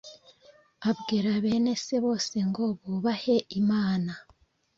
abwira bene se bose ngo bubahe imana.